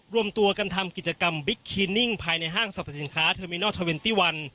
รวมตัวกันทำกิจกรรมบิ๊กคีนิ่งภายในห้างสรรพสินค้าเทอร์มินอลเทอร์เวนตี้วัน